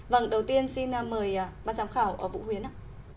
vâng đầu tiên xin mời ban giám khảo vũ huyến ạ